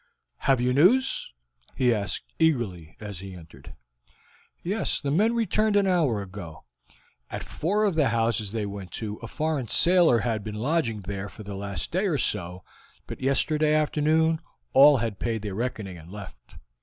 "Have you news?" he asked eagerly as he entered. "Yes, the men returned an hour ago. At four of the houses they went to a foreign sailor had been lodging there for the last day or so, but yesterday afternoon all had paid their reckoning and left.